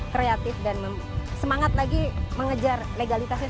kreatif dan semangat lagi mengejar legalitasnya